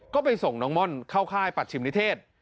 ก็ไปส่งน้องม่อนเข้าค่ายปัชชิมนิเทศ